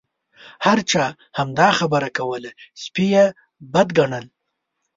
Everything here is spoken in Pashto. هر چا همدا خبره کوله سپي یې بد ګڼل.